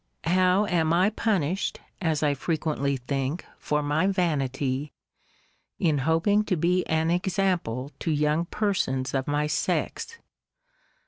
How am I punished, as I frequently think, for my vanity, in hoping to be an example to young persons of my sex!